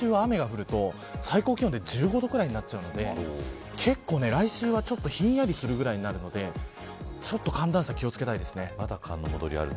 さらに来週は雨が降ると最高気温が１５度くらいになるので結構来週はひんやりするぐらいになるので寒暖差に気を付けたいです。